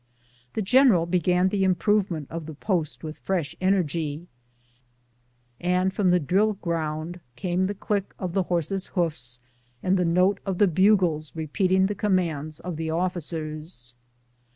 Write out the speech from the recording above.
The general began the im provement of the post with fresh energy, and from the drill ground came the click of the horses' hoofs and the note of the bugles repeating the commands of the officers.